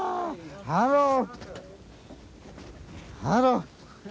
ハロー。